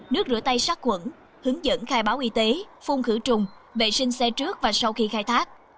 nước rửa tay sát quẩn hướng dẫn khai báo y tế phun khử trùng vệ sinh xe trước và sau khi khai thác